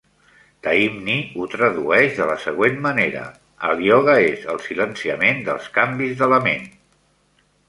Taimni ho tradueix de la següent manera: "El ioga és el silenciament dels canvis de la ment".